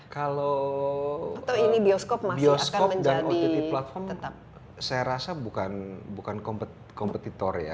kalau bioskop dan ott platform saya rasa bukan kompetitor ya